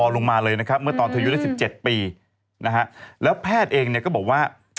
และแพทย์เองเนี่ยก็บอกว่า